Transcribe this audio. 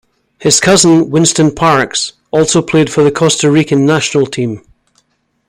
His cousin Winston Parks also played for the Costa Rican national team.